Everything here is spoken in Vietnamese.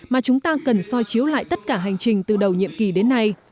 mà chúng ta cần soi chiếu lại tất cả hành trình từ đầu nhiệm kỳ đến nay